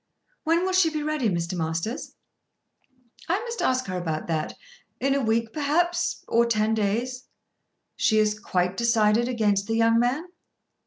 "When will she be ready, Mr. Masters?" "I must ask her about that; in a week perhaps, or ten days." "She is quite decided against the young man?"